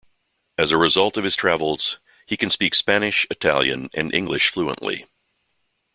As a result of his travels, he can speak Spanish, Italian and English fluently.